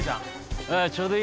ああちょうどいいや。